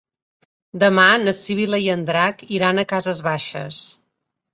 Demà na Sibil·la i en Drac iran a Cases Baixes.